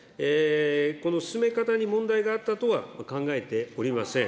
この進め方に問題があったとは考えておりません。